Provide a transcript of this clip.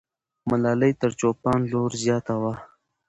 ملالۍ تر چوپان لور زیاته وه.